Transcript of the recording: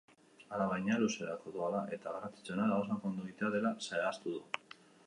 Alabaina, luzerako doala eta garrantzitsuena gauzak ondo egitea dela zehaztu du.